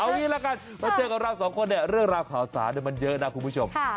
เอานี่แหละกันไม่เจอกับเราสองคนเรื่องราวข่าวสารคุณผู้ชมค่ะ